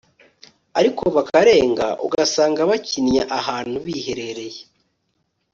ariko bakarenga ugasanga bakinywa ahantu biherereye